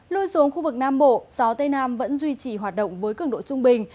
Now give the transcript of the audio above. lui xuống khu vực nam bộ gió tây nam vẫn duy trì hoạt động với cường độ trung bình